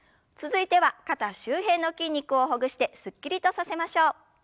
続いては肩周辺の筋肉をほぐしてすっきりとさせましょう。